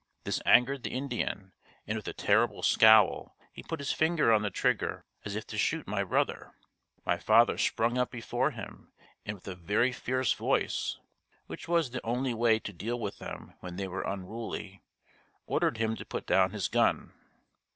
This angered the Indian and with a terrible scowl he put his finger on the trigger as if to shoot my brother. My father sprung up before him and with a very fierce voice (which was the only way to deal with them when they were unruly) ordered him to put down his gun.